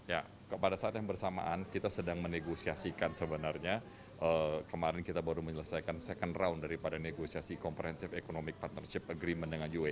ya pada saat yang bersamaan kita sedang menegosiasikan sebenarnya kemarin kita baru menyelesaikan second round daripada negosiasi comprehensive economic partnership agreement dengan uae